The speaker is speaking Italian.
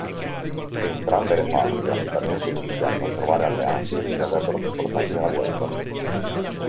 Entrambe le parti rapidamente iniziarono a trovare alleati che li avrebbero supportati nella guerra.